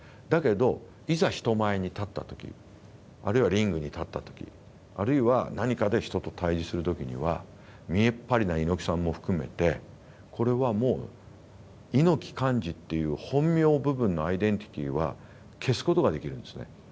だけどいざ人前に立った時あるいはリングに立った時あるいは何かで人と対峙する時には見えっ張りな猪木さんも含めてこれはもう猪木寛至っていう本名部分のアイデンティティーは消すことができるんですね。